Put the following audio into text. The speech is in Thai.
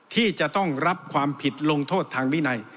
ที่จะต้องรับความผิดลงโทษทางวินัย